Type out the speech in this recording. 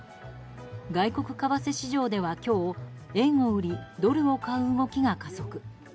外国為替市場では今日、円を売りドルを買う動きが加速。